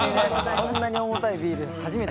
こんなに重たいビール初めて。